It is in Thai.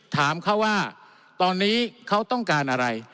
ถามเขาว่าตอนนี้เขาต้องการอะไร